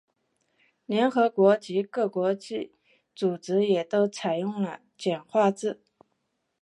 联合国及各国际组织也都采用了简化字。